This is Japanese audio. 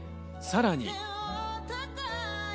さらに。